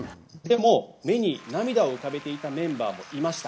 目に涙を浮かべていたメンバーもいました。